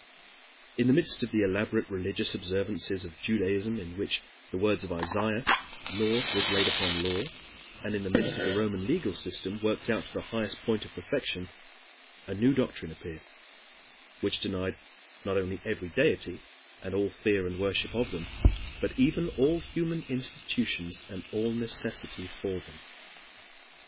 In the midst of the elaborate religious observances of Judaism, in which, in the words of Isaiah, law was laid upon law, and in the midst of the Roman legal system worked out to the highest point of perfection, a new doctrine appeared, which denied not only every deity, and all fear and worship of them, but even all human institutions and all necessity for them.